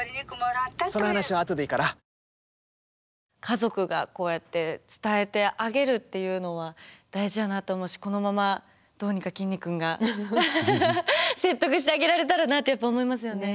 家族がこうやって伝えてあげるっていうのは大事やなと思うしこのままどうにかきんに君が説得してあげられたらなってやっぱ思いますよね。